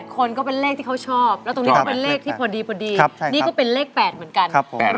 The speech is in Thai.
คนก็เป็นเลขที่เขาชอบแล้วตรงนี้ก็เป็นเลขที่พอดีนี่ก็เป็นเลข๘เหมือนกัน